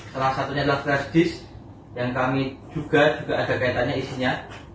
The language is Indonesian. salah satunya adalah gratis disk yang kami duga juga ada kaitannya isinya